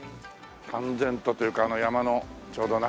端然とというかあの山のちょうど中にね。